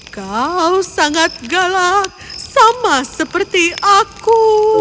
kau sangat galak sama seperti aku